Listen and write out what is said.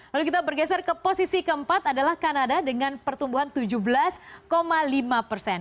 lalu kita bergeser ke posisi keempat adalah kanada dengan pertumbuhan tujuh belas lima persen